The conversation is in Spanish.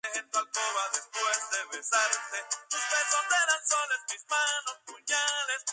Originalmente, Francia administró las islas como una dependencia de Madagascar.